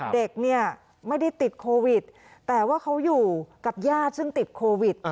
เด็กเนี่ยไม่ได้ติดโควิดแต่ว่าเขาอยู่กับญาติซึ่งติดโควิด